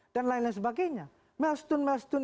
dan lain lain sebagainya mel stun